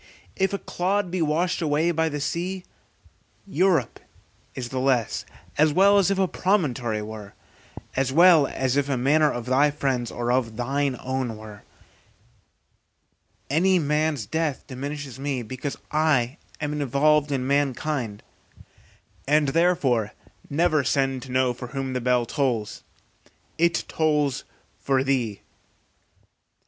If a clod be washed away by the sea, Europe is the less, as well as if a promontory were, as well as if a manor of thy friend's or of thine own were: any man's death diminishes me, because I am involved in mankind, and therefore never send to know for whom the bell tolls; it tolls for thee.